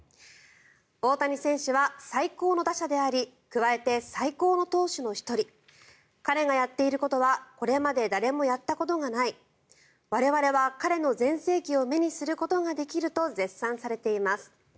大谷選手は最高の打者であり加えて最高の投手の１人彼がやっていることはこれまで誰もやったことがない我々は彼の全盛期を目にすることができると絶賛されています。